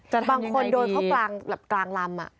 จะทำอย่างไรดีบางคนโดนเขากลางลำ